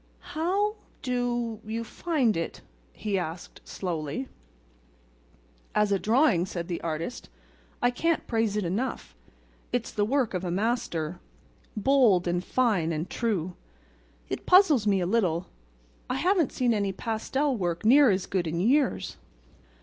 "How—do—you find it?" he asked, slowly. "As a drawing," said the artist, "I can't praise it enough. It's the work of a master—bold and fine and true. It puzzles me a little; I haven't seen any pastel work near as good in years."